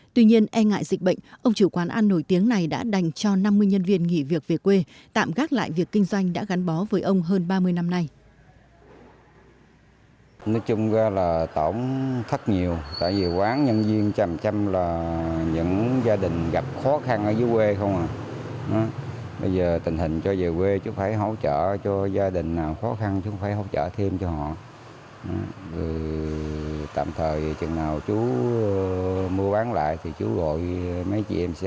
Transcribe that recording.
tuy nhiên e ngại dịch bệnh ông chủ quán ăn nổi tiếng này đã đành cho năm mươi nhân viên nghỉ việc về quê tạm gác lại việc kinh doanh đã gắn bó với ông hơn ba mươi năm nay